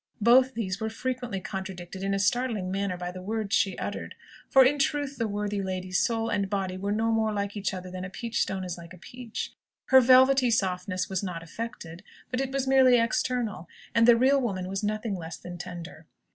Both these were frequently contradicted in a startling manner by the words she uttered: for, in truth, the worthy lady's soul and body were no more like each other than a peach stone is like a peach. Her velvety softness was not affected, but it was merely external, and the real woman was nothing less than tender.